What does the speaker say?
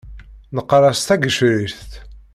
Neqqar-as tagecrirt.